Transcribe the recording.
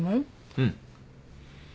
うん。